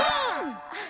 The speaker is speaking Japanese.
あっ。